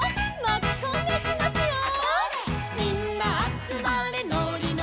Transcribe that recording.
「まきこんでいきますよ」